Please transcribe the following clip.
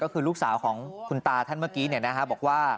ก็คือลูกสาวของคุณตาท่านเมื่อกี้บอกว่า